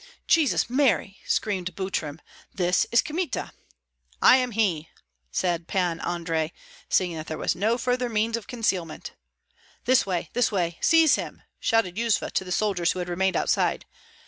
"Jesus, Mary!" screamed Butrym, "this is Kmita!" "I am he!" said Pan Andrei, seeing that there were no further means of concealment. "This way, this way! Seize him!" shouted Yuzva to the soldiers who had remained outside.